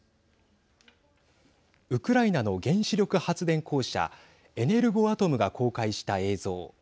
ウクライナの原子力発電公社エネルゴアトムが公開した映像。